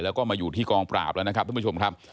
แล้วก็มาอยู่ที่กองปราบแล้วนะครับท่านผู้ชมครับ